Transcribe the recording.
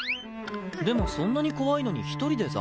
でもそんなに怖いのに一人で残業？